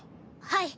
はい。